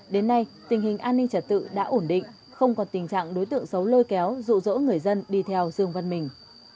đến nay tình hình an ninh trật tự đã ổn định không còn tình trạng đối tượng xấu lôi kéo rụ rỗ người dân đi theo dương văn mình